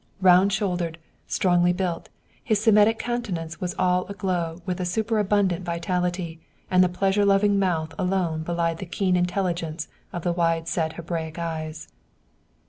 Round shouldered, strongly built, his Semitic countenance was all aglow with a superabundant vitality, and the pleasure loving mouth alone belied the keen intelligence of the wide set Hebraic eyes.